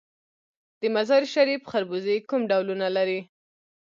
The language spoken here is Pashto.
د مزار شریف خربوزې کوم ډولونه لري؟